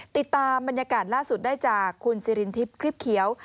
ติดตามบรรยากาศล่าสุดได้จากคุณสิรินทิพย์คลิปเขียว